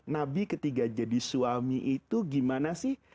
nabi ketika jadi suami itu gimana sih